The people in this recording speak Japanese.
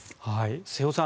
瀬尾さん